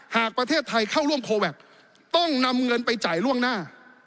หากประเทศไทยเข้าร่วมโคแวคต้องนำเงินไปจ่ายล่วงหน้า